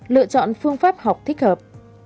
lựa chọn phương pháp học thích hợp